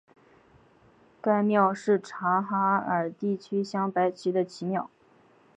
该庙是察哈尔地区镶白旗的旗庙。